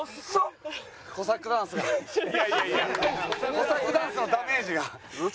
コサックダンスのダメージが。